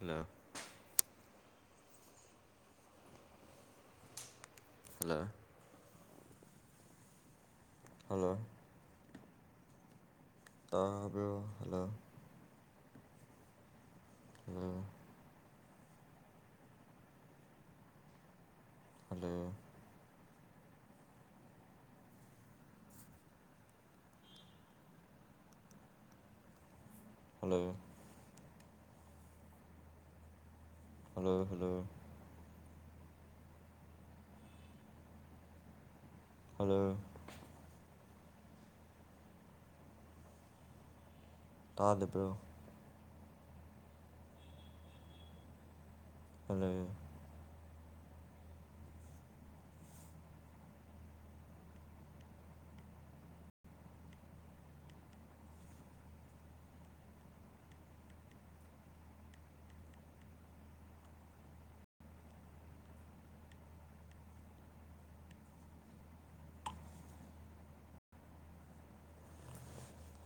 hello hello hello ꯇꯥꯕ꯭ꯔꯥ hello ꯑ hello hello hello hello hello ꯇꯥꯗꯕ꯭ꯔꯣ ꯍꯜꯂꯣ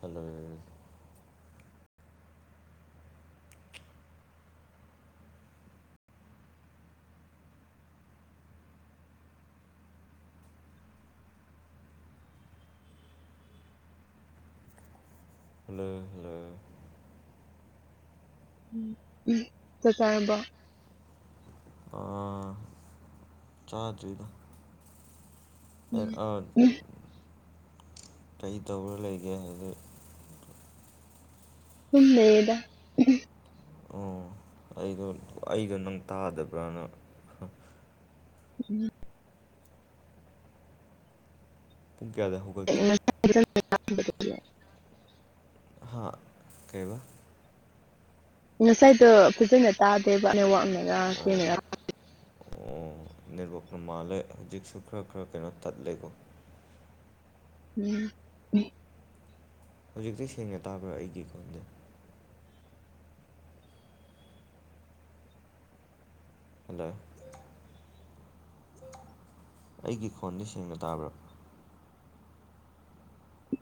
ꯍꯜꯂꯣ ꯍꯜꯂ ꯍꯜꯂ ꯎꯝ ꯆꯥꯛ ꯆꯥꯔꯕꯣ ꯑꯥ ꯆꯥꯗ꯭ꯔꯤꯗ ꯑꯦ ꯎꯝ ꯑꯥꯠ ꯎꯝ ꯀꯩ ꯇꯧꯔꯥ ꯂꯩꯒꯦ ꯍꯧꯖꯤꯛ ꯁꯨꯝ ꯂꯩꯌꯦꯗ ꯎꯝꯎꯝ ꯑꯣ ꯑꯩꯗꯣ ꯑꯩꯗꯣ ꯅꯪ ꯇꯥꯗꯕ꯭ꯔꯅ ꯎꯝ ꯄꯨꯡ ꯀꯌꯥꯗ ꯍꯧꯒꯠꯀꯦ [inaudible] ꯍꯥꯥ ꯀꯩꯕ ꯉꯁꯥꯏꯗꯣ ꯐꯖꯅ ꯇꯥꯗꯦꯕ ꯅꯦꯠꯋꯥꯛꯅ ꯔꯥ ꯑꯣ ꯀꯔꯤꯅꯥꯔ ꯑꯣ ꯅꯦꯠꯋꯛꯅ ꯃꯥꯜꯂꯦ ꯍꯧꯖꯤꯛꯁꯨ ꯈꯔ ꯈꯔ ꯀꯩꯅꯣ ꯇꯠꯂꯦꯀꯣ ꯎꯝ ꯍꯧꯖꯤꯛꯇꯤ ꯁꯦꯡꯅ ꯇꯥꯕ꯭ꯔꯥ ꯑꯩꯒꯤ ꯈꯣꯟ [unintelligible] ꯍꯜꯂꯣ ꯑꯩꯒꯤ ꯈꯣꯟꯗꯤ ꯁꯦꯡꯅ ꯇꯥꯕ꯭ꯔ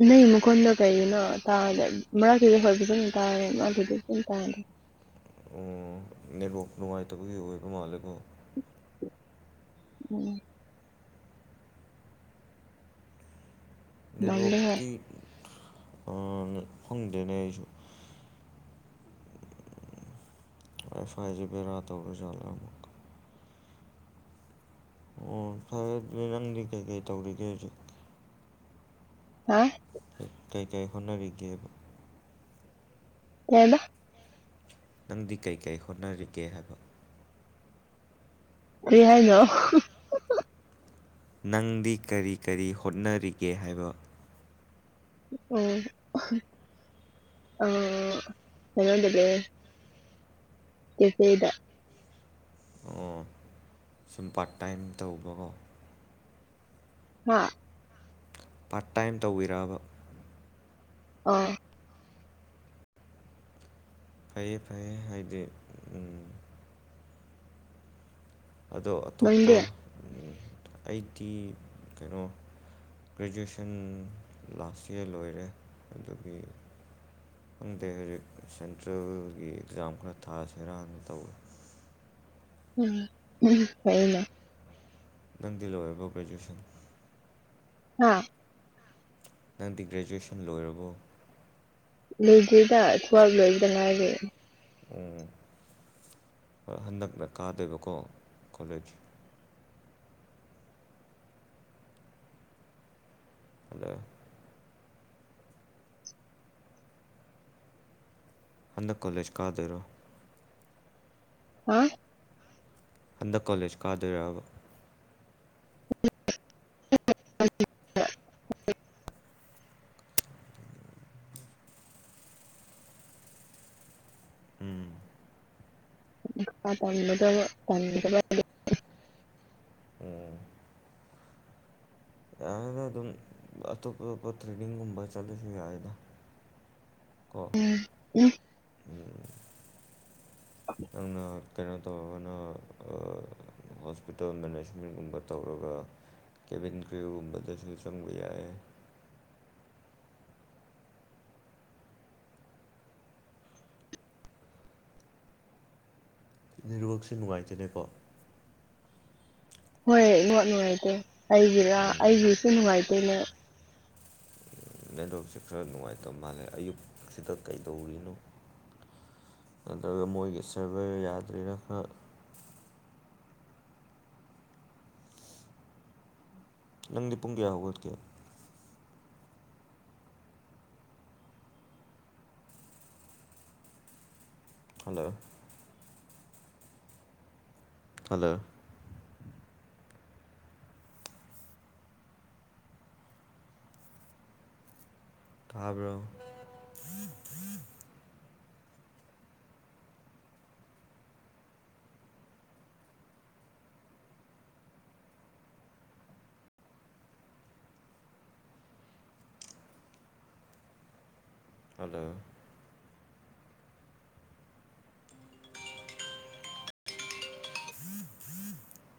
ꯅꯪ ꯃꯈꯣꯟꯗꯣ ꯀꯔꯤꯒꯤꯅꯣ ꯇꯥꯗꯦꯝ ꯃꯔꯛꯇꯨꯗ ꯍꯣꯏ [unintelligible] ꯇꯥꯔꯦ ꯃꯔꯛꯇꯨꯗ [unintelligible] ꯇꯥꯔꯦ ꯑꯣ ꯅꯦꯠꯋꯛ ꯅꯨꯡꯉꯥꯏꯇꯕꯒꯤ ꯑꯣꯏꯕ ꯃꯥꯜꯂꯦꯀꯣ ꯎꯝ ꯃꯥꯜꯂꯦ ꯍꯣꯏ ꯅꯦꯠꯋꯥꯛꯇꯤ ꯑꯅ ꯈꯪꯗꯦꯅꯦ ꯑꯩꯁꯨ ꯑꯁꯋꯥꯏ ꯖꯤ ꯕꯦꯔꯥ ꯇꯧꯒ꯭ꯔꯖꯥꯠꯂ ꯑꯃꯣꯛ ꯑꯣ ꯐꯔꯦ ꯑꯗꯨꯗꯤ ꯅꯪꯗꯤ ꯀꯩꯀꯩ ꯇꯧꯔꯤꯒꯦ ꯍꯖꯤꯛ ꯍꯥ ꯀꯩ ꯀꯩ ꯍꯣꯠꯅꯔꯤꯒꯦꯕ ꯀꯩꯕ ꯅꯪꯗꯤ ꯀꯩ ꯀꯩ ꯍꯣꯠꯅꯔꯤꯒꯦ ꯍꯥꯏꯕ ꯀ꯭ꯔꯤ ꯍꯥꯏꯅꯣ ꯅꯪꯗꯤ ꯀꯔꯤ ꯀꯔꯤ ꯍꯣꯠꯅꯔꯤꯒꯦ ꯍꯥꯏꯕ ꯎꯝ ꯑꯍ ꯑ ꯀꯩꯅꯣꯗ ꯂꯩꯌꯦ ꯀꯦꯐꯦꯗꯥ ꯑꯣ ꯁꯨꯝ ꯄꯥꯔꯠ ꯇꯥꯏꯝ ꯇꯧꯕꯒꯣ ꯍꯥ ꯄꯥꯔꯠ ꯇꯥꯏꯝ ꯇꯧꯋꯤꯔꯕ ꯑꯣ ꯐꯩꯩꯌꯦ ꯐꯩꯩꯌꯦ ꯍꯥꯏꯗꯤ ꯎꯝ ꯑꯗꯣ ꯑꯇꯣꯞꯄ ꯅꯪꯗꯤ ꯑꯩꯗꯤ ꯀꯩꯅꯣ ꯒ꯭ꯔꯦꯖꯨꯑꯦꯁꯟ ꯂꯥꯁ ꯏꯌ꯭ꯔ ꯂꯣꯏꯔꯦ ꯑꯗꯨꯒꯤ ꯈꯪꯗꯦ ꯍꯧꯖꯤꯛ ꯁꯦꯟꯇ꯭ꯔꯦꯜꯒꯤ ꯑꯦꯛꯖꯥꯝ ꯈꯔ ꯊꯥꯁꯤꯔꯥꯅ ꯇꯧꯋꯦ ꯎꯝ ꯍꯨꯝ ꯐꯥꯌꯦꯅꯦ ꯅꯪꯗꯤ ꯂꯣꯏꯔꯕꯣ ꯒ꯭ꯔꯦꯖꯨꯑꯦꯁꯟ ꯍꯥ ꯅꯪꯗꯤ ꯒ꯭ꯔꯦꯖꯨꯑꯦꯁꯟ ꯂꯣꯏꯔꯕꯣ ꯂꯣꯏꯗ꯭ꯔꯤꯗ ꯇꯨ꯭ꯋꯦꯐ ꯂꯣꯏꯕꯗ ꯉꯥꯏꯔꯤ ꯑꯣ ꯍꯣꯏ ꯍꯟꯗꯛꯅ ꯀꯥꯗꯣꯏꯕꯀꯣ ꯀꯣꯂꯦꯖ ꯍꯜꯂꯣ ꯍꯟꯗꯛ ꯀꯣꯂꯦꯖ ꯀꯗꯣꯏꯔꯣ ꯍꯥ ꯍꯟꯗꯛ ꯀꯣꯂꯦꯖ ꯀꯥꯗꯣꯏꯔꯕ [inaudible] ꯎꯝ ꯃꯈꯥ ꯇꯝꯕꯗꯣ ꯇꯟꯈ꯭ꯔꯕ ꯑꯣ ꯌꯥꯔꯦꯗ ꯑꯗꯨꯝ ꯑꯇꯣꯞ ꯑꯇꯣꯞꯄ ꯇ꯭ꯔꯦꯅꯤꯡꯒꯨꯝꯕ ꯆꯠꯂꯁꯨ ꯌꯥꯏꯗ ꯀꯣ ꯎꯝ ꯎꯝ ꯅꯪꯅ ꯀꯩꯅꯣ ꯇꯧꯔꯒꯅꯥ ꯑꯥ ꯍꯣꯁꯄꯤꯇꯥꯜ ꯃꯦꯅꯦꯖꯃꯦꯟꯒꯨꯝꯕ ꯇꯧꯔꯒ ꯀꯦꯕꯤꯟ ꯀ꯭ꯌꯨꯒꯨꯝꯕꯗꯁꯨ ꯆꯪꯕ ꯌꯥꯌꯦ ꯅꯦꯠꯋꯥ꯭ꯔꯛꯁꯦ ꯅꯨꯡꯉꯥꯏꯇꯦꯅꯦꯀꯣ ꯍꯣꯏ ꯋꯥ꯭ꯔꯛ ꯅꯨꯡꯉꯥꯏꯇꯦ ꯑꯩꯒꯤꯔ ꯑꯩꯒꯤꯁꯨ ꯅꯨꯡꯉꯥꯏꯇꯦ ꯅꯦꯠ ꯅꯦꯠꯋꯥ꯭ꯔꯛꯁꯦ ꯈꯔ ꯅꯨꯡꯉꯥꯏꯇ ꯃꯥꯜꯂꯦ ꯑꯌꯨꯛꯁꯤꯗ ꯀꯩꯗꯧꯔꯤꯅꯣ ꯅꯠꯇ꯭ꯔꯒ ꯃꯣꯏꯒꯤ ꯁꯔꯚꯔ ꯌꯥꯗ꯭ꯔꯤꯔ ꯈꯔ ꯅꯪꯗꯤ ꯄꯨꯡ ꯀꯌꯥ ꯍꯧꯒꯠꯀꯦ ꯍꯜꯂꯣ ꯍꯜꯂꯣ ꯇꯥꯕ꯭ꯔꯣ ꯍꯜꯂꯣ [unintelligible]